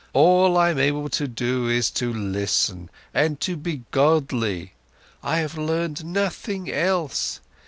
All I'm able to do is to listen and to be godly, I have learned nothing else.